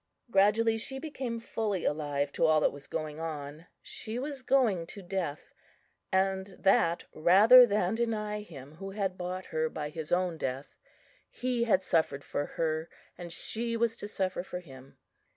Gradually she became fully alive to all that was going on. She was going to death, and that rather than deny Him who had bought her by His own death. He had suffered for her, and she was to suffer for Him.